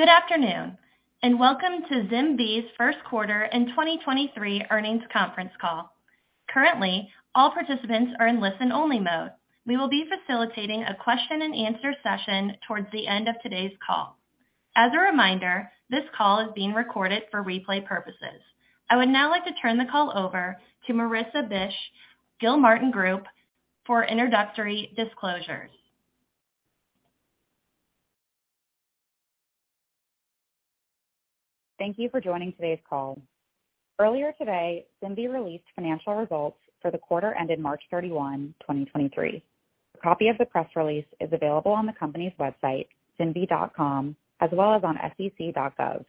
Good afternoon. Welcome to ZimVie's first quarter and 2023 earnings conference call. Currently, all participants are in listen-only mode. We will be facilitating a question and answer session towards the end of today's call. As a reminder, this call is being recorded for replay purposes. I would now like to turn the call over to Marissa Bych, Gilmartin Group, for introductory disclosures. Thank you for joining today's call. Earlier today, ZimVie released financial results for the quarter ended March 31, 2023. A copy of the press release is available on the company's website, zimvie.com, as well as on sec.gov.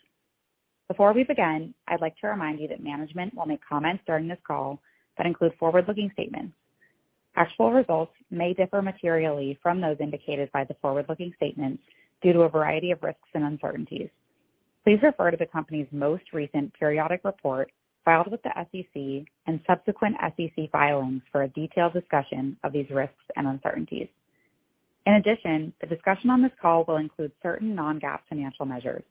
Before we begin, I'd like to remind you that management will make comments during this call that include forward-looking statements. Actual results may differ materially from those indicated by the forward-looking statements due to a variety of risks and uncertainties. Please refer to the company's most recent periodic report filed with the SEC and subsequent SEC filings for a detailed discussion of these risks and uncertainties. In addition, the discussion on this call will include certain non-GAAP financial measures.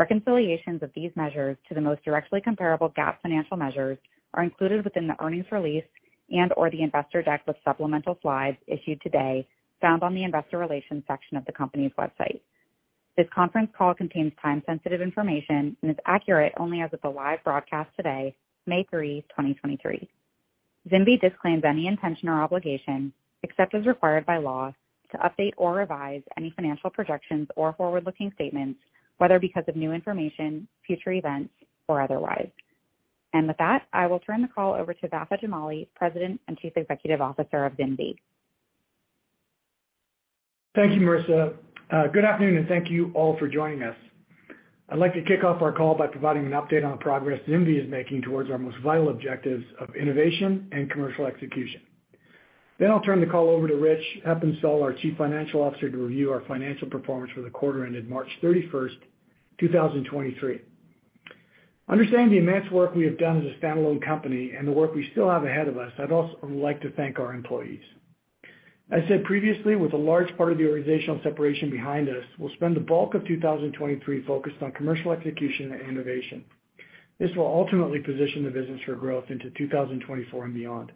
Reconciliations of these measures to the most directly comparable GAAP financial measures are included within the earnings release and/or the investor deck with supplemental slides issued today found on the investor relations section of the company's website. This conference call contains time-sensitive information and is accurate only as of the live broadcast today, May 3, 2023. ZimVie disclaims any intention or obligation, except as required by law, to update or revise any financial projections or forward-looking statements, whether because of new information, future events, or otherwise. With that, I will turn the call over to Vafa Jamali, President and Chief Executive Officer of ZimVie. Thank you, Marissa. Good afternoon, thank you all for joining us. I'd like to kick off our call by providing an update on the progress ZimVie is making towards our most vital objectives of innovation and commercial execution. I'll turn the call over to Rich Heppenstall, our Chief Financial Officer, to review our financial performance for the quarter ended March 31st, 2023. Understanding the immense work we have done as a standalone company and the work we still have ahead of us, I'd also like to thank our employees. As said previously, with a large part of the organizational separation behind us, we'll spend the bulk of 2023 focused on commercial execution and innovation. This will ultimately position the business for growth into 2024 and beyond.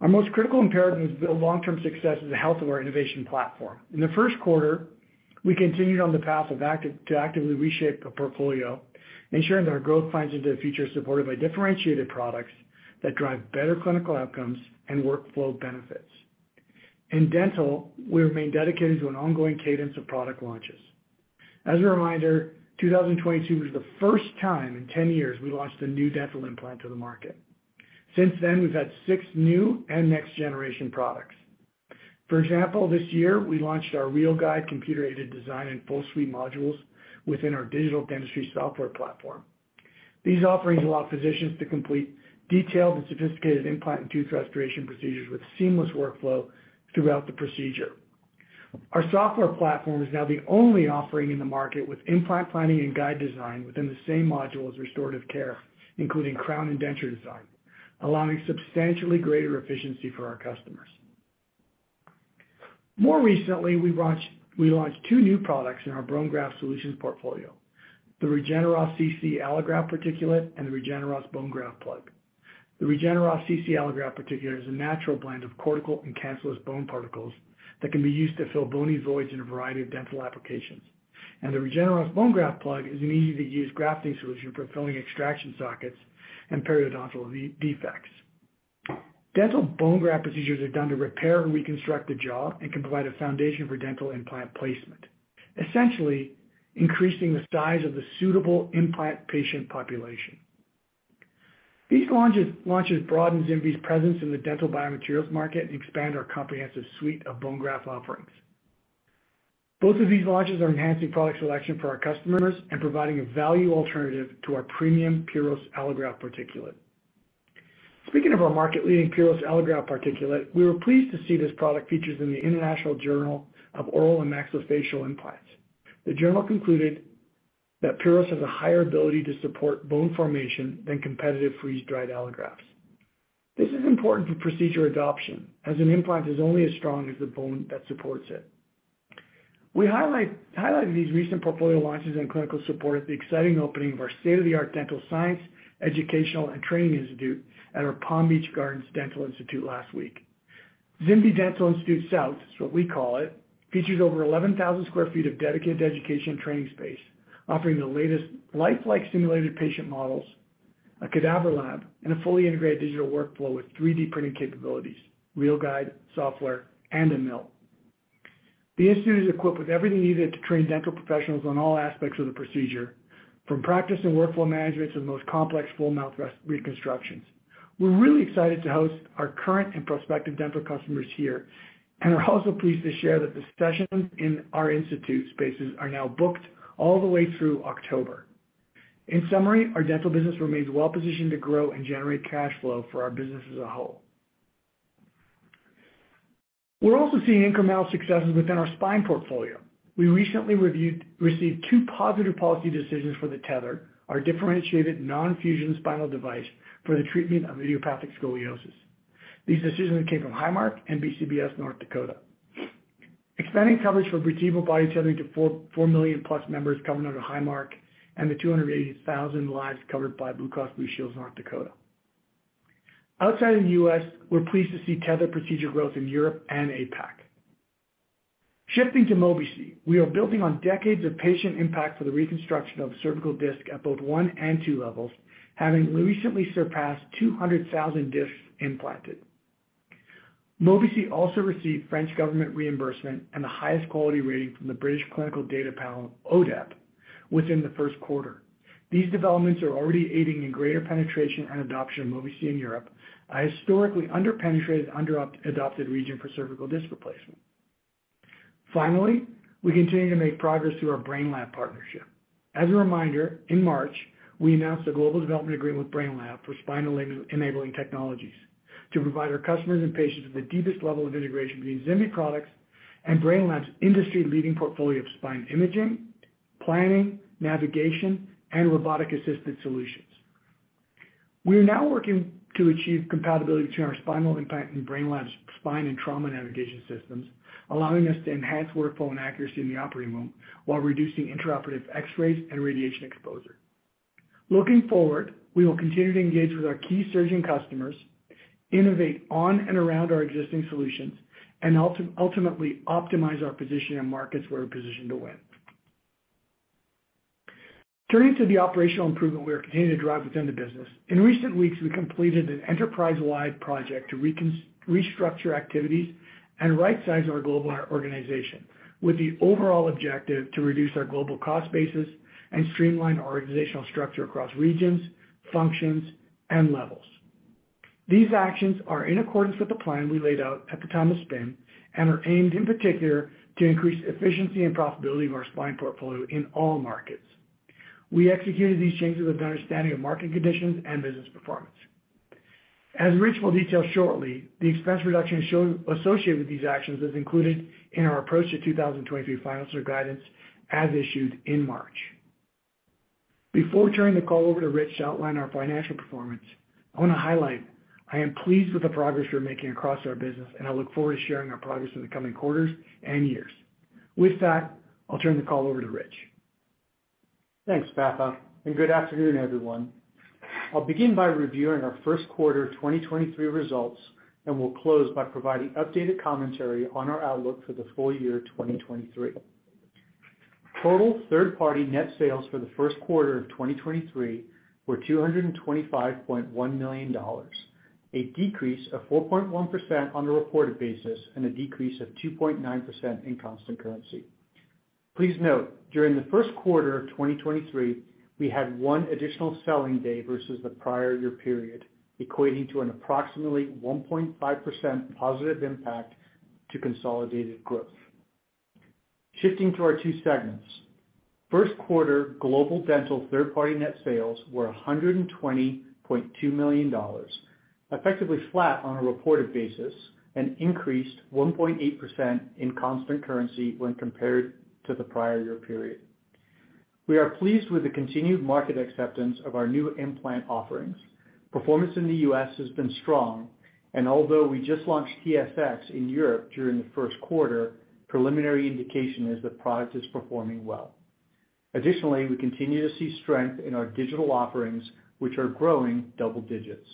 Our most critical imperative to build long-term success is the health of our innovation platform. In the first quarter, we continued on the path to actively reshape the portfolio, ensuring that our growth finds into the future supported by differentiated products that drive better clinical outcomes and workflow benefits. In dental, we remain dedicated to an ongoing cadence of product launches. As a reminder, 2022 was the first time in 10 years we launched a new dental implant to the market. Since then, we've had six new and next-generation products. For example, this year, we launched our RealGUIDE computer-aided design and full suite modules within our digital dentistry software platform. These offerings allow physicians to complete detailed and sophisticated implant and tooth restoration procedures with seamless workflow throughout the procedure. Our software platform is now the only offering in the market with implant planning and guide design within the same module as restorative care, including crown and denture design, allowing substantially greater efficiency for our customers. More recently, we launched two new products in our bone graft solutions portfolio, the RegenerOss CC allograft particulate and the RegenerOss bone graft plug. The RegenerOss CC allograft particulate is a natural blend of cortical and cancellous bone particles that can be used to fill bony voids in a variety of dental applications. The RegenerOss bone graft plug is an easy-to-use grafting solution for filling extraction sockets and periodontal defects. Dental bone graft procedures are done to repair and reconstruct the jaw and can provide a foundation for dental implant placement, essentially increasing the size of the suitable implant patient population. These launches broaden ZimVie's presence in the dental biomaterials market and expand our comprehensive suite of bone graft offerings. Both of these launches are enhancing product selection for our customers and providing a value alternative to our premium Puros allograft particulate. Speaking of our market-leading Puros allograft particulate, we were pleased to see this product featured in The International Journal of Oral & Maxillofacial Implants. The journal concluded that Puros has a higher ability to support bone formation than competitive freeze-dried allografts. This is important for procedure adoption, as an implant is only as strong as the bone that supports it. We highlighted these recent portfolio launches and clinical support at the exciting opening of our state-of-the-art dental science, educational, and training institute at ZimVie Institute South last week. ZimVie Institute South, is what we call it, features over 11,000 square feet of dedicated education and training space, offering the latest lifelike simulated patient models, a cadaver lab, and a fully integrated digital workflow with 3D printing capabilities, RealGUIDE software, and a mill. The institute is equipped with everything needed to train dental professionals on all aspects of the procedure, from practice and workflow management to the most complex full mouth reconstructions. We're really excited to host our current and prospective dental customers here. We're also pleased to share that the sessions in our institute spaces are now booked all the way through October. In summary, our dental business remains well-positioned to grow and generate cash flow for our business as a whole. We're also seeing incremental successes within our spine portfolio. We recently received two positive policy decisions for The Tether, our differentiated non-fusion spinal device for the treatment of idiopathic scoliosis. These decisions came from Highmark and BCBS North Dakota, expanding coverage for vertebral body tethering to 4 million plus members covered under Highmark and the 280,000 lives covered by Blue Cross Blue Shield of North Dakota. Outside of the U.S., we're pleased to see tethered procedure growth in Europe and APAC. Shifting to Mobi-C, we are building on decades of patient impact for the reconstruction of cervical disc at both one and two levels, having recently surpassed 200,000 discs implanted. Mobi-C also received French government reimbursement and the highest quality rating from the British Clinical Data Panel, ODEP, within the first quarter. These developments are already aiding in greater penetration and adoption of Mobi-C in Europe, a historically under-penetrated, under-adopted region for cervical disc replacement. Finally, we continue to make progress through our Brainlab partnership. As a reminder, in March, we announced a global development agreement with Brainlab for spinal enabling technologies to provide our customers and patients with the deepest level of integration between ZimVie products and Brainlab's industry-leading portfolio of spine imaging, planning, navigation, and robotic-assisted solutions. We are now working to achieve compatibility between our spinal implant and Brainlab's spine and trauma navigation systems, allowing us to enhance workflow and accuracy in the operating room while reducing intraoperative X-rays and radiation exposure. Looking forward, we will continue to engage with our key surgeon customers, innovate on and around our existing solutions, and ultimately optimize our position in markets where we're positioned to win. Turning to the operational improvement we are continuing to drive within the business. In recent weeks, we completed an enterprise-wide project to restructure activities and right-size our global organization with the overall objective to reduce our global cost basis and streamline our organizational structure across regions, functions, and levels. These actions are in accordance with the plan we laid out at the time of spin and are aimed in particular to increase efficiency and profitability of our spine portfolio in all markets. As Rich will detail shortly, the expense reduction associated with these actions is included in our approach to 2023 financial guidance as issued in March. Before turning the call over to Rich to outline our financial performance, I want to highlight I am pleased with the progress we're making across our business, and I look forward to sharing our progress in the coming quarters and years. With that, I'll turn the call over to Rich. Thanks, Vafa. Good afternoon, everyone. I'll begin by reviewing our first quarter 2023 results, and we'll close by providing updated commentary on our outlook for the full year 2023. Total third-party net sales for the first quarter of 2023 were $225.1 million, a decrease of 4.1% on a reported basis and a decrease of 2.9% in constant currency. Please note, during the first quarter of 2023, we had one additional selling day versus the prior year period, equating to an approximately 1.5% positive impact to consolidated growth. Shifting to our two segments. First quarter global dental third-party net sales were $120.2 million, effectively flat on a reported basis and increased 1.8% in constant currency when compared to the prior year period. We are pleased with the continued market acceptance of our new implant offerings. Performance in the U.S. has been strong, and although we just launched TSX in Europe during the first quarter, preliminary indication is that product is performing well. Additionally, we continue to see strength in our digital offerings, which are growing double digits.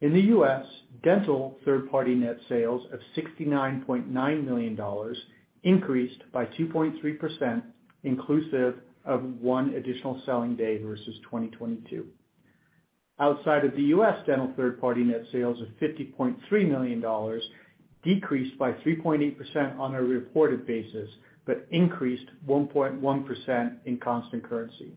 In the U.S., dental third-party net sales of $69.9 million increased by 2.3% inclusive of one additional selling day versus 2022. Outside of the U.S., dental third-party net sales of $50.3 million decreased by 3.8% on a reported basis but increased 1.1% in constant currency.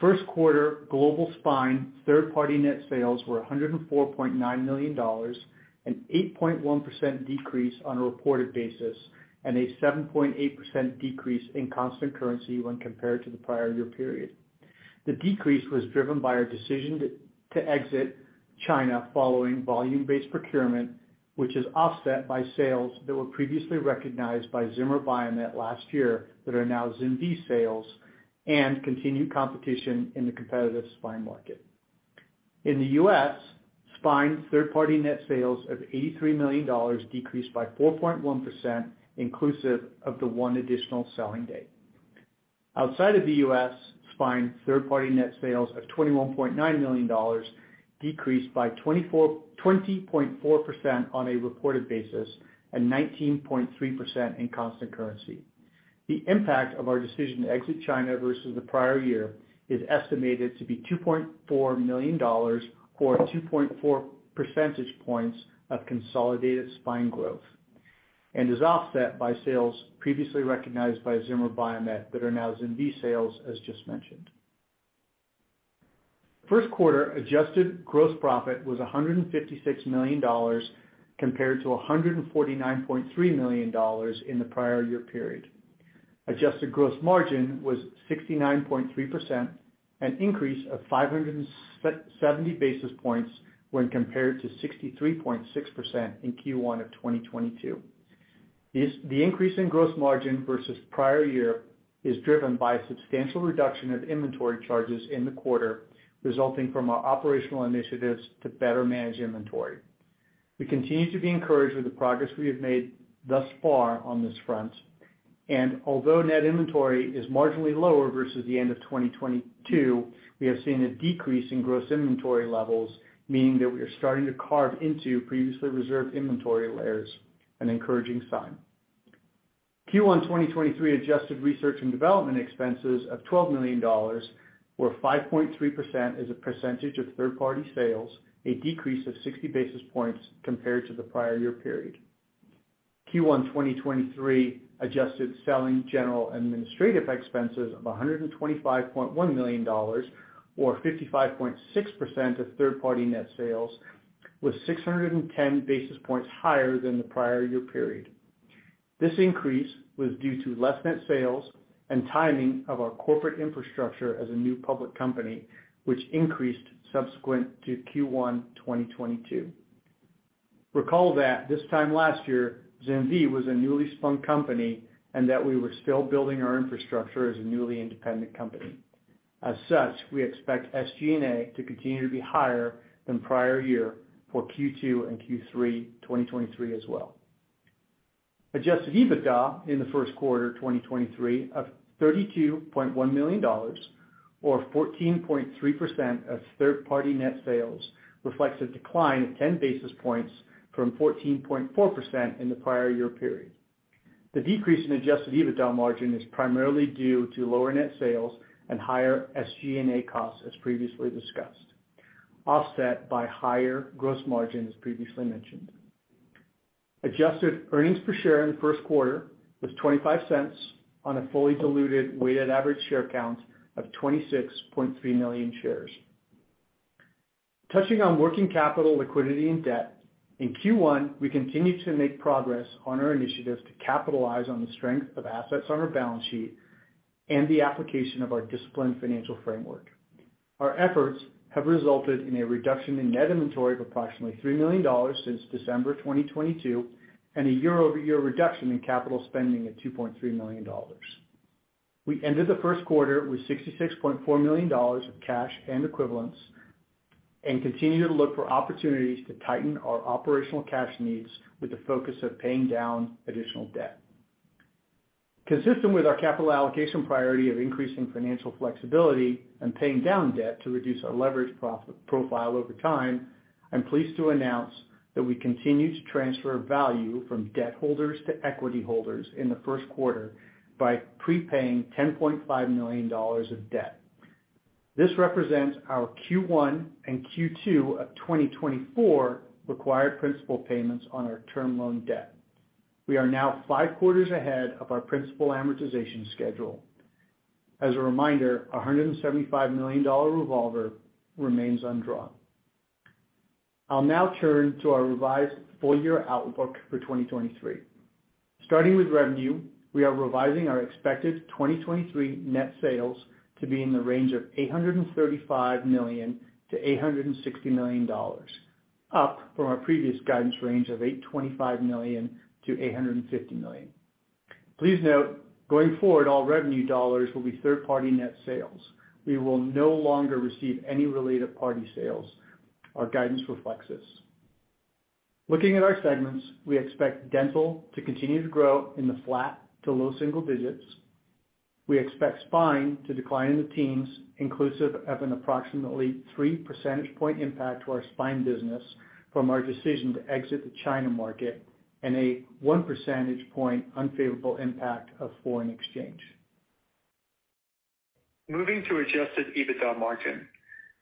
First quarter global spine third-party net sales were $104.9 million, an 8.1% decrease on a reported basis and a 7.8% decrease in constant currency when compared to the prior year period. The decrease was driven by our decision to exit China following volume-based procurement, which is offset by sales that were previously recognized by Zimmer Biomet last year that are now ZimVie sales and continued competition in the competitive spine market. In the U.S., spine third-party net sales of $83 million decreased by 4.1% inclusive of the one additional selling day. Outside of the U.S., spine third-party net sales of $21.9 million decreased by 20.4% on a reported basis and 19.3% in constant currency. The impact of our decision to exit China versus the prior year is estimated to be $2.4 million or 2.4 percentage points of consolidated spine growth and is offset by sales previously recognized by Zimmer Biomet that are now ZimVie sales, as just mentioned. First quarter adjusted gross profit was $156 million compared to $149.3 million in the prior year period. Adjusted gross margin was 69.3%, an increase of 570 basis points when compared to 63.6% in Q1 of 2022. The increase in gross margin versus prior year is driven by a substantial reduction of inventory charges in the quarter, resulting from our operational initiatives to better manage inventory. We continue to be encouraged with the progress we have made thus far on this front. Although net inventory is marginally lower versus the end of 2022, we have seen a decrease in gross inventory levels, meaning that we are starting to carve into previously reserved inventory layers, an encouraging sign. Q1, 2023 adjusted research and development expenses of $12 million were 5.3% as a percentage of third-party sales, a decrease of 60 basis points compared to the prior year period. Q1, 2023 adjusted Selling General Administrative expenses of $125.1 million or 55.6% of third-party net sales was 610 basis points higher than the prior year period. This increase was due to less net sales and timing of our corporate infrastructure as a new public company, which increased subsequent to Q1, 2022. Recall that this time last year, ZimVie was a newly spun company and that we were still building our infrastructure as a newly independent company. We expect SG&A to continue to be higher than prior year for Q2 and Q3, 2023 as well. adjusted EBITDA in the first quarter, 2023 of $32.1 million or 14.3% of third-party net sales reflects a decline of 10 basis points from 14.4% in the prior year period. The decrease in adjusted EBITDA margin is primarily due to lower net sales and higher SG&A costs as previously discussed, offset by higher gross margin, as previously mentioned. Adjusted earnings per share in the first quarter was $0.25 on a fully diluted weighted average share count of 26.3 million shares. Touching on working capital, liquidity and debt. In Q1, we continued to make progress on our initiatives to capitalize on the strength of assets on our balance sheet and the application of our disciplined financial framework. Our efforts have resulted in a reduction in net inventory of approximately $3 million since December 2022, and a year-over-year reduction in capital spending of $2.3 million. We ended the first quarter with $66.4 million of cash and equivalents, and continue to look for opportunities to tighten our operational cash needs with the focus of paying down additional debt. Consistent with our capital allocation priority of increasing financial flexibility and paying down debt to reduce our leverage profile over time, I'm pleased to announce that we continue to transfer value from debt holders to equity holders in the first quarter by prepaying $10.5 million of debt. This represents our Q1 and Q2 of 2024 required principal payments on our term loan debt. We are now five quarters ahead of our principal amortization schedule. As a reminder, a $175 million revolver remains undrawn. I'll now turn to our revised full year outlook for 2023. Starting with revenue, we are revising our expected 2023 net sales to be in the range of $835 million-$860 million, up from our previous guidance range of $825 million-$850 million. Please note, going forward, all revenue dollars will be third-party net sales. We will no longer receive any related party sales. Our guidance reflects this. Looking at our segments, we expect dental to continue to grow in the flat to low single digits. We expect spine to decline in the teens, inclusive of an approximately three percentage point impact to our spine business from our decision to exit the China market and a one percentage point unfavorable impact of foreign exchange. Moving to adjusted EBITDA margin,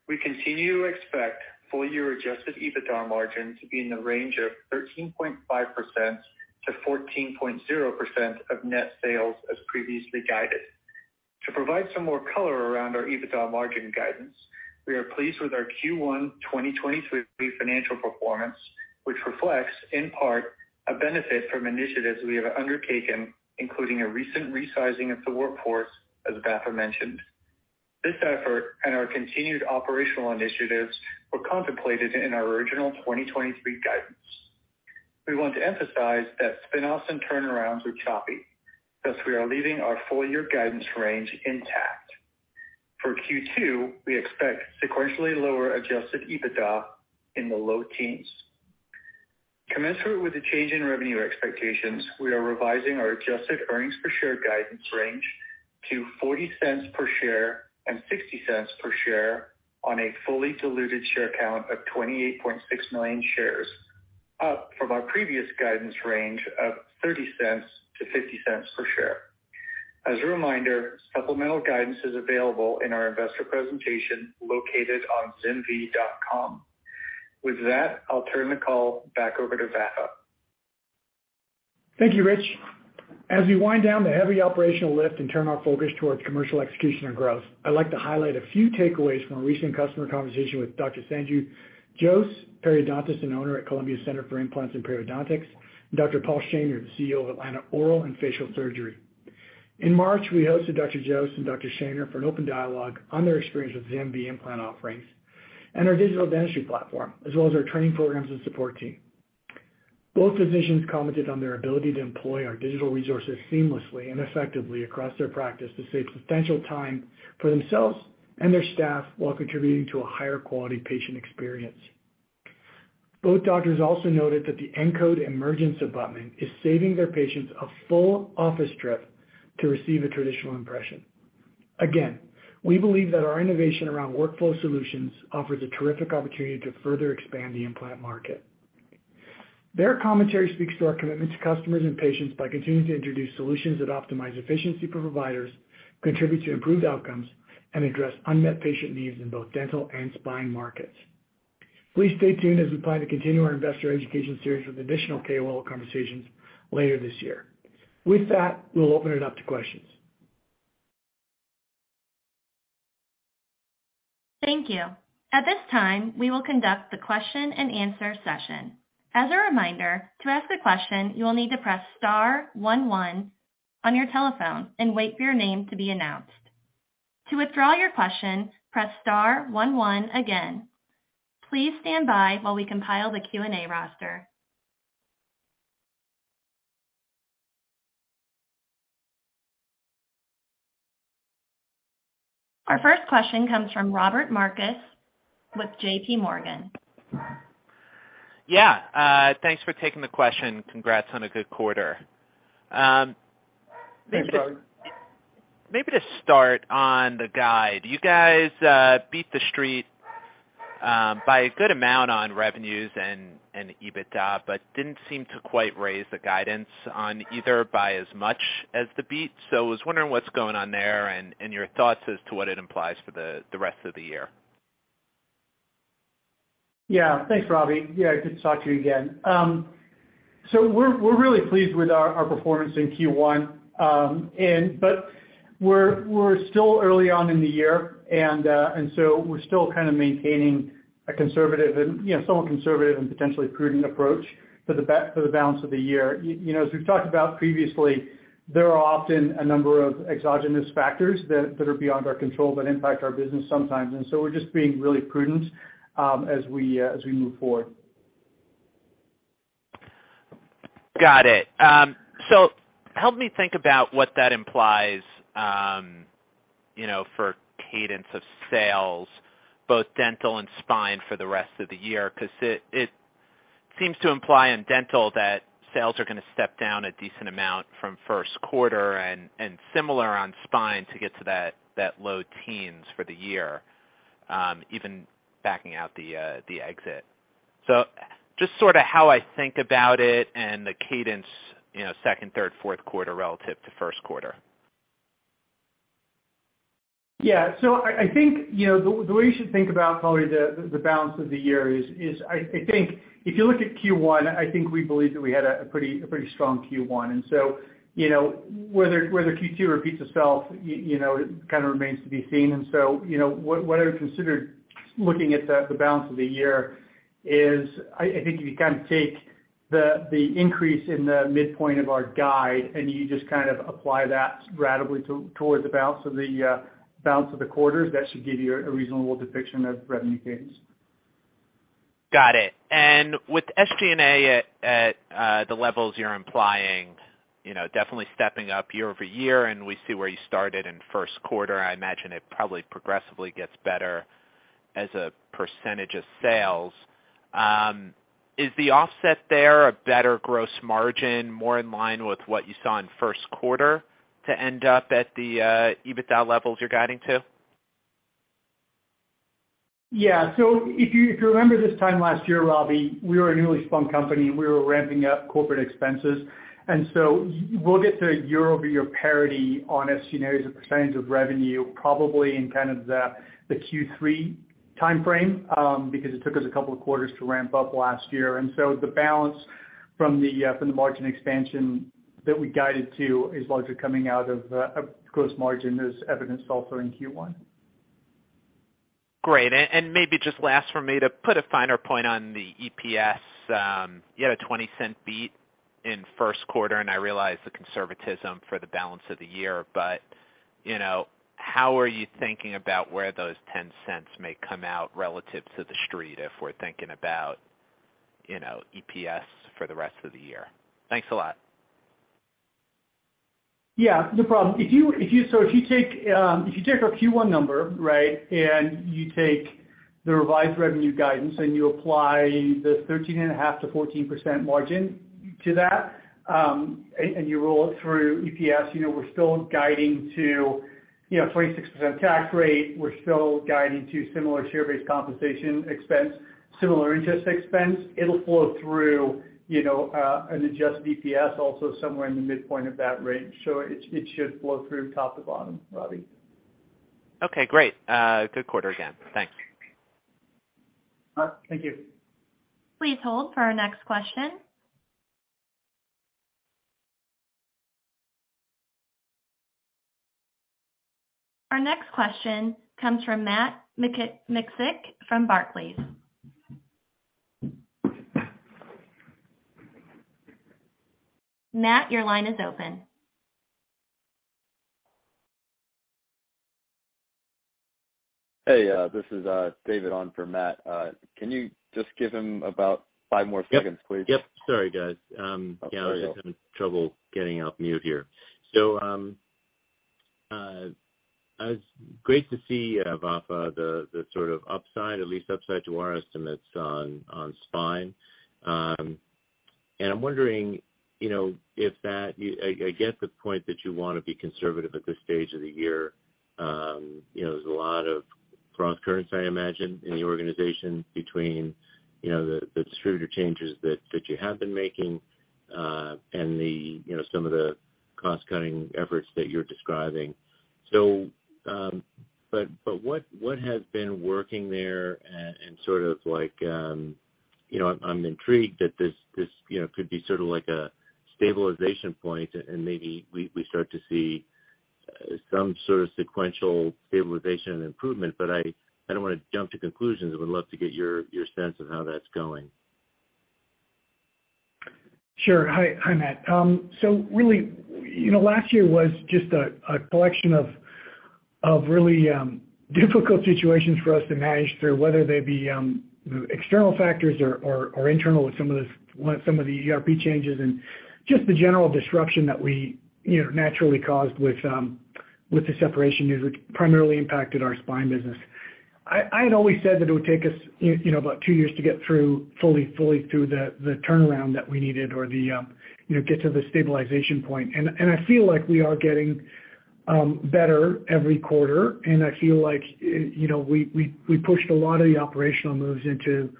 we continue to expect full year adjusted EBITDA margin to be in the range of 13.5%-14.0% of net sales as previously guided. To provide some more color around our EBITDA margin guidance, we are pleased with our Q1 2023 financial performance, which reflects in part a benefit from initiatives we have undertaken, including a recent resizing of the workforce, as Vafa mentioned. This effort and our continued operational initiatives were contemplated in our original 2023 guidance. We want to emphasize that spin-offs and turnarounds are choppy, thus we are leaving our full year guidance range intact. For Q2, we expect sequentially lower adjusted EBITDA in the low teens. Commensurate with the change in revenue expectations, we are revising our adjusted earnings per share guidance range to $0.40-$0.60 per share on a fully diluted share count of 28.6 million shares, up from our previous guidance range of $0.30-$0.50 per share. As a reminder, supplemental guidance is available in our investor presentation located on zimvie.com. With that, I'll turn the call back over to Vafa. Thank you, Rich. As we wind down the heavy operational lift and turn our focus towards commercial execution and growth, I'd like to highlight a few takeaways from a recent customer conversation with Dr. Sanju Jose, periodontist and owner at Columbia Center for Implants & Periodontics, and Dr. Paul Schaner, the CEO of Atlanta Oral & Facial Surgery. In March, we hosted Dr. Jose and Dr. Schaner for an open dialogue on their experience with the ZimVie implant offerings and our digital dentistry platform, as well as our training programs and support team. Both physicians commented on their ability to employ our digital resources seamlessly and effectively across their practice to save substantial time for themselves and their staff while contributing to a higher quality patient experience. Both doctors also noted that the Encode Emergence Abutment is saving their patients a full office trip to receive a traditional impression. Again, we believe that our innovation around workflow solutions offers a terrific opportunity to further expand the implant market. Their commentary speaks to our commitment to customers and patients by continuing to introduce solutions that optimize efficiency for providers, contribute to improved outcomes, and address unmet patient needs in both dental and spine markets. Please stay tuned as we plan to continue our investor education series with additional KOL conversations later this year. With that, we'll open it up to questions. Thank you. At this time, we will conduct the question-and-answer session. As a reminder, to ask a question, you will need to press star one one on your telephone and wait for your name to be announced. To withdraw your question, press star one one again. Please stand by while we compile the Q&A roster. Our first question comes from Robbie Marcus with JPMorgan. Yeah. Thanks for taking the question. Congrats on a good quarter. Thanks, Rob. Maybe to start on the guide. You guys beat the street by a good amount on revenues and EBITDA, but didn't seem to quite raise the guidance on either by as much as the beat. I was wondering what's going on there and your thoughts as to what it implies for the rest of the year. Thanks, Robbie. Good to talk to you again. We're really pleased with our performance in Q1. We're still early on in the year and so we're still kind of maintaining a conservative and, you know, somewhat conservative and potentially prudent approach for the balance of the year. You know, as we've talked about previously, there are often a number of exogenous factors that are beyond our control that impact our business sometimes. We're just being really prudent as we as we move forward. Got it. Help me think about what that implies, you know, for cadence of sales, both dental and spine for the rest of the year, 'cause it seems to imply in dental that sales are going to step down a decent amount from first quarter and similar on spine to get to that low teens for the year, even backing out the exit. Just sort of how I think about it and the cadence, you know, second, third, fourth quarter relative to first quarter. I think, you know, the way you should think about probably the balance of the year is I think if you look at Q1, I think we believe that we had a pretty strong Q1. You know, whether Q2 repeats itself, you know, it kind of remains to be seen. You know, what I would consider looking at the balance of the year is I think if you kind of take the increase in the midpoint of our guide and you just kind of apply that gradually towards the balance of the quarters, that should give you a reasonable depiction of revenue cadence. Got it. With SG&A at the levels you're implying, you know, definitely stepping up year-over-year, and we see where you started in first quarter, and I imagine it probably progressively gets better as a % of sales. Is the offset there a better gross margin more in line with what you saw in first quarter to end up at the EBITDA levels you're guiding to? If you, if you remember this time last year, Robbie, we were a newly spun company, and we were ramping up corporate expenses, and we'll get to year-over-year parity on SG&A as a percentage of revenue, probably in kind of the Q3 timeframe, because it took us a couple of quarters to ramp up last year. The balance from the margin expansion that we guided to is largely coming out of a gross margin as evidenced also in Q1. Great. Maybe just last for me to put a finer point on the EPS. You had a $0.20 beat in first quarter, I realize the conservatism for the balance of the year, but, you know, how are you thinking about where those $0.10 may come out relative to the street if we're thinking about, you know, EPS for the rest of the year? Thanks a lot. No problem. If you take our Q1 number, right? You take the revised revenue guidance, and you apply the 13.5%-14% margin to that, and you roll it through EPS, you know, we're still guiding to, you know, 26% tax rate. We're still guiding to similar share-based compensation expense, similar interest expense. It'll flow through, you know, an adjusted EPS also somewhere in the midpoint of that range. It should flow through top to bottom, Robbie. Okay, great. good quarter again. Thanks. All right. Thank you. Please hold for our next question. Our next question comes from Matt Miksic from Barclays. Matt, your line is open. This is David on for Matt. Can you just give him about 5 more seconds, please? Yep. Yep. Sorry, guys. Yeah, I was having trouble getting off mute here. It was great to see, Vafa, the sort of upside, at least upside to our estimates on spine. I'm wondering, you know, I get the point that you wanna be conservative at this stage of the year. You know, there's a lot of crosscurrents, I imagine, in the organization between, you know, the distributor changes that you have been making, and the, you know, some of the cost-cutting efforts that you're describing. But what has been working there? Sort of like, you know, I'm intrigued that this, you know, could be sort of like a stabilization point, and maybe we start to see some sort of sequential stabilization and improvement. I don't wanna jump to conclusions. I would love to get your sense of how that's going. Sure. Hi, Matt. Really, you know, last year was just a collection of really difficult situations for us to manage through, whether they be external factors or internal with some of the ERP changes and just the general disruption that we, you know, naturally caused with the separation news, which primarily impacted our spine business. I had always said that it would take us, you know, about two years to get through fully through the turnaround that we needed or the, you know, get to the stabilization point. I feel like we are getting better every quarter, and I feel like, you know, we pushed a lot of the operational moves into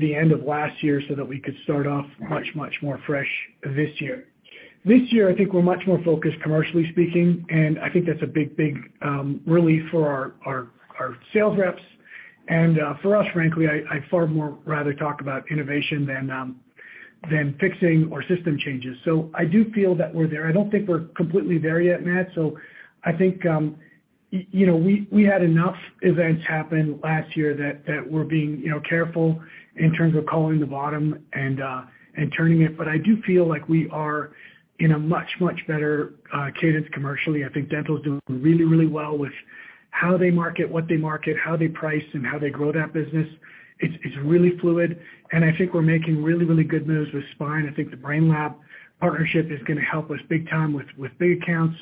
the end of last year so that we could start off much more fresh this year. This year, I think we're much more focused commercially speaking, and I think that's a big relief for our sales reps. For us, frankly, I far more rather talk about innovation than fixing or system changes. I do feel that we're there. I don't think we're completely there yet, Matt. I think, you know, we had enough events happen last year that we're being, you know, careful in terms of calling the bottom and turning it. I do feel like we are in a much, much better cadence commercially. I think dental's doing really, really well with how they market, what they market, how they price, and how they grow that business. It's really fluid, and I think we're making really, really good moves with spine. I think the Brainlab partnership is gonna help us big time with big accounts.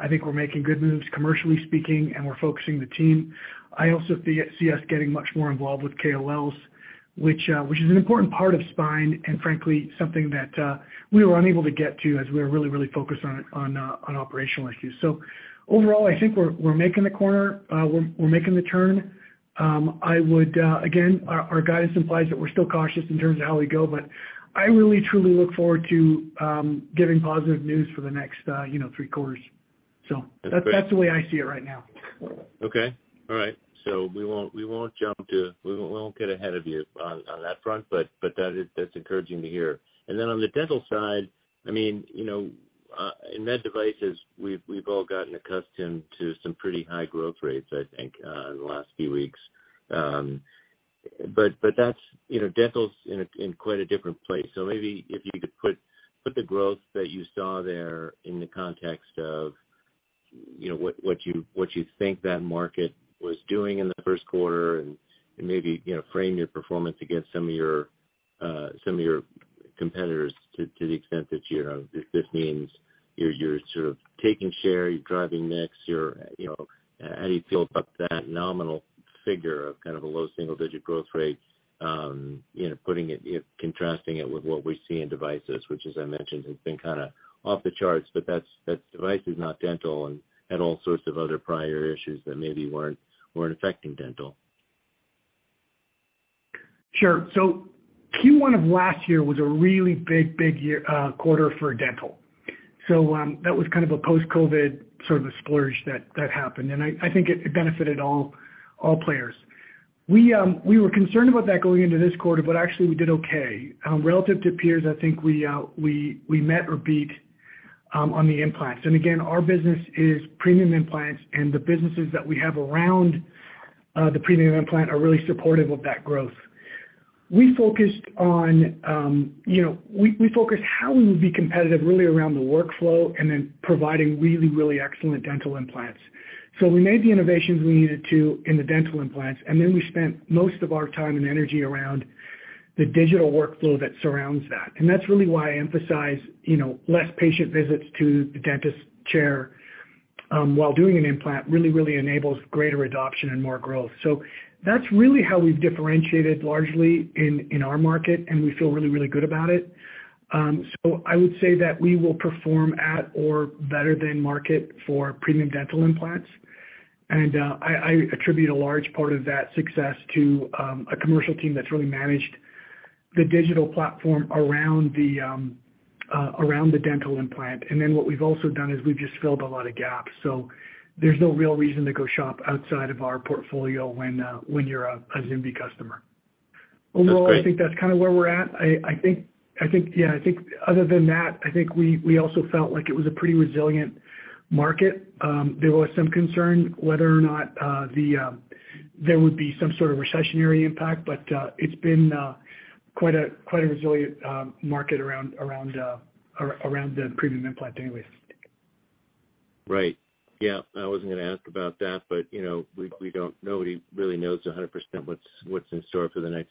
I think we're making good moves commercially speaking, and we're focusing the team. I also see us getting much more involved with KOLs, which is an important part of spine and frankly, something that we were unable to get to as we were really, really focused on operational issues. Overall, I think we're making the corner, we're making the turn. I would, again, our guidance implies that we're still cautious in terms of how we go, but I really truly look forward to, giving positive news for the next, you know, three quarters. That's the way I see it right now. Okay. All right. We won't jump to. We won't get ahead of you on that front, but that is, that's encouraging to hear. Then on the dental side, I mean, you know, in med devices, we've all gotten accustomed to some pretty high growth rates I think, in the last few weeks. That's, you know, dental's in quite a different place. Maybe if you could put the growth that you saw there in the context of, you know, what you think that market was doing in the first quarter and maybe, you know, frame your performance against some of your competitors to the extent that you know. If this means you're sort of taking share, you're driving mix, you know, how do you feel about that nominal figure of kind of a low single digit growth rate? You know, putting it, you know, contrasting it with what we see in devices, which as I mentioned, has been kind of off the charts, but that's devices not dental and had all sorts of other prior issues that maybe weren't affecting dental. Sure. Q1 of last year was a really big quarter for dental. That was kind of a post-COVID sort of a splurge that happened. I think it benefited all players. We were concerned about that going into this quarter, but actually we did okay. Relative to peers, I think we met or beat on the implants. Again, our business is premium implants, and the businesses that we have around the premium implant are really supportive of that growth. We focused on, you know, we focused how we would be competitive really around the workflow and then providing excellent dental implants. We made the innovations we needed to in the dental implants. We spent most of our time and energy around the digital workflow that surrounds that. That's really why I emphasize, you know, less patient visits to the dentist chair, while doing an implant really enables greater adoption and more growth. That's really how we've differentiated largely in our market, and we feel really good about it. I would say that we will perform at or better than market for premium dental implants. I attribute a large part of that success to a commercial team that's really managed the digital platform around the dental implant. What we've also done is we've just filled a lot of gaps. There's no real reason to go shop outside of our portfolio when you're a ZimVie customer. That's great. Overall, I think that's kind of where we're at. I think, yeah, I think other than that, I think we also felt like it was a pretty resilient market. There was some concern whether or not the there would be some sort of recessionary impact, but it's been quite a resilient market around the premium implant anyways. Right. Yeah, I wasn't gonna ask about that, but, you know, we don't know. Nobody really knows 100% what's in store for the next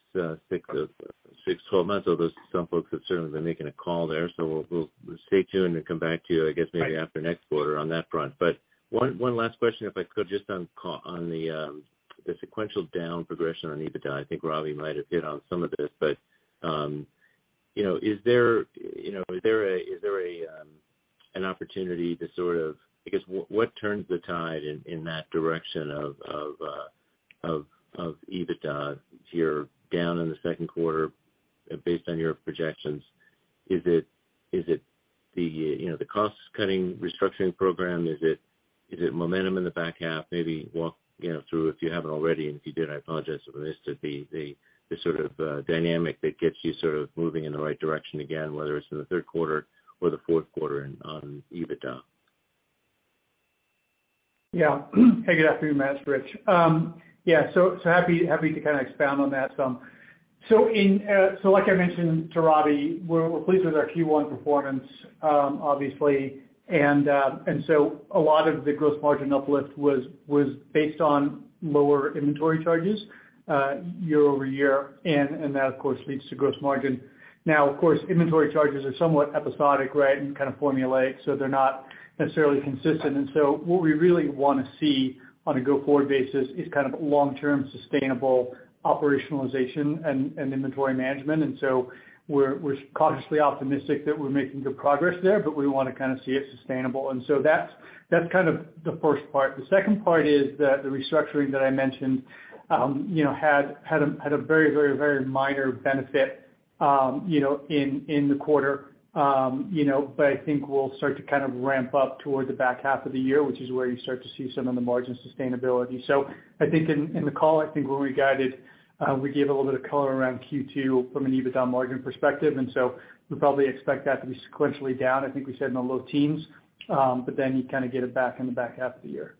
six or 12 months. Although some folks have certainly been making a call there. We'll stay tuned and come back to you, I guess, maybe after next quarter on that front. One last question, if I could, just on the sequential down progression on EBITDA. I think Ravi might have hit on some of this, but, you know, is there, you know, is there an opportunity to sort of... What turns the tide in that direction of EBITDA if you're down in the second quarter based on your projections? Is it the, you know, the cost-cutting restructuring program? Is it momentum in the back half? Maybe walk, you know, through, if you haven't already, and if you did, I apologize for this, the sort of dynamic that gets you sort of moving in the right direction again, whether it's in the third quarter or the fourth quarter on EBITDA. Yeah. Hey, good afternoon, Matt, it's Rich. Yeah, so happy to kind of expand on that some. Like I mentioned to Ravi, we're pleased with our `Q1 performance, obviously. A lot of the gross margin uplift was based on lower inventory charges year-over-year, and that of course leads to gross margin. Now of course, inventory charges are somewhat episodic, right, and kind of formulaic, so they're not necessarily consistent. What we really want to see on a go-forward basis is kind of long-term sustainable operationalization and inventory management. We're cautiously optimistic that we're making good progress there, but we want to kind of see it sustainable. That's kind of the first part. The second part is that the restructuring that I mentioned, you know, had a very, very, very minor benefit, you know, in the quarter. You know, I think we'll start to kind of ramp up toward the back half of the year, which is where you start to see some of the margin sustainability. I think in the call, I think when we guided, we gave a little bit of color around Q2 from an EBITDA margin perspective, and so we probably expect that to be sequentially down, I think we said in the low teens. You kinda get it back in the back half of the year.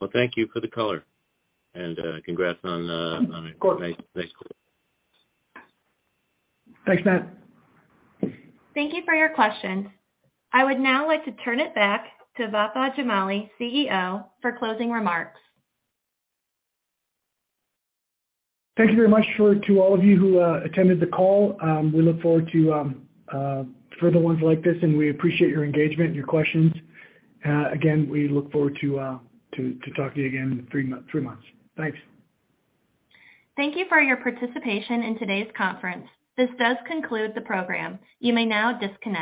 Well, thank you for the color. Congrats on a nice quarter. Thanks, Matt. Thank you for your questions. I would now like to turn it back to Vafa Jamali, CEO, for closing remarks. Thank you very much to all of you who attended the call. We look forward to further ones like this, and we appreciate your engagement and your questions. Again, we look forward to talk to you again in three months. Thanks. Thank you for your participation in today's conference. This does conclude the program. You may now disconnect.